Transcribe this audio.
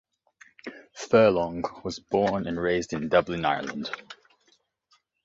Furlong was born and raised in Dublin, Ireland.